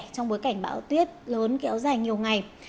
trong bối cảnh bão tuyết lớn kéo dài nhiều ngày